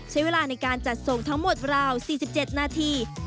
ใช้เวลาในการจัดส่งทั้งหมดราว๔๗นาที